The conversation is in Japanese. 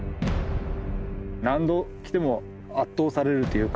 何度来ても圧倒されるというか